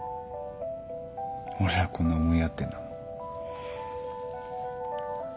俺らこんな思い合ってんだもん。